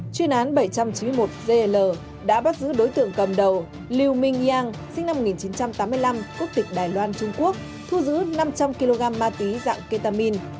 chuyên án bảy trăm chín mươi một gl đã bắt giữ đối tượng cầm đầu lưu minh nhang sinh năm một nghìn chín trăm tám mươi năm quốc tịch đài loan trung quốc thu giữ năm trăm linh kg ma túy dạng ketamin